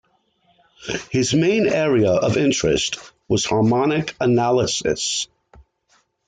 His main area of interest was harmonic analysis.